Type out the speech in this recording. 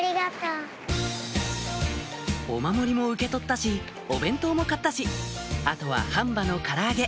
お守りも受け取ったしお弁当も買ったしあとは半羽のから揚げ